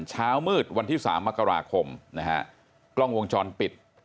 เช้ามืดวันที่สามมกราคมนะฮะกล้องวงจรปิด